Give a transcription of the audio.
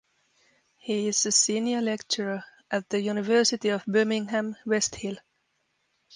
He is a Senior Lecturer at the University of Birmingham, Westhill.